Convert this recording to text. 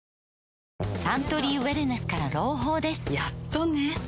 サントリーウエルネスから朗報ですやっとね